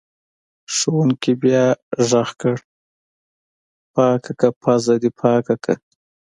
ښوونکي بیا راغږ کړ: پاکه که پوزه دې پاکه که!